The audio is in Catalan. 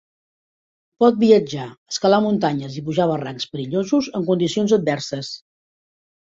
Pot viatjar, escalar muntanyes i pujar barrancs perillosos en condicions adverses.